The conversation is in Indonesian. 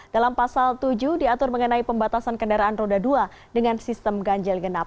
dalam pasal tujuh diatur mengenai pembatasan kendaraan roda dua dengan sistem ganjil genap